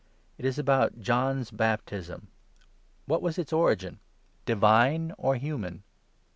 It is about John's 25 baptism. What was its origin ? divine or human